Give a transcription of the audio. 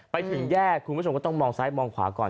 ไปถึงแยกคุณผู้ชมก็ต้องมองซ้ายมองขวาก่อน